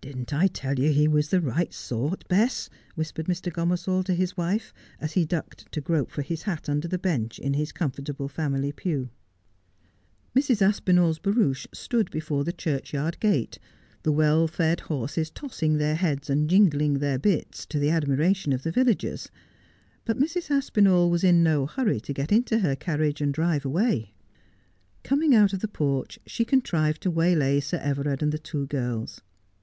' Didn't I tell you he was the right sort, Bess I ' whispered Mr. Gomersall to his wife, as he ducked to grope for his hat under the bench in his comfortable family pew, Mrs. AspinalPs barouche stood before the churchyard gate, the well fed horses tossing their heads and jingling their bits, ti> the admiration of the villagers ; but Mrs. Aspinall was in no hurry to get into her carriage and drive away. Coming out of the porch, she contrived to waylay Sir Everard and the two girls.